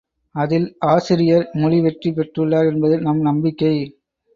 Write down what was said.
அதில் ஆசிரியர் முழுவெற்றி பெற்றுள்ளார் என்பது எம் நம்பிக்கை.